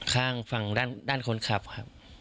ข้างฝั่งด้านคนขับครับ